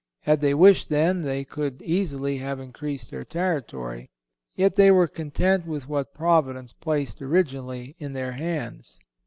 Had they wished then, they could easily have increased their territory; yet they were content with what Providence placed originally in their hands.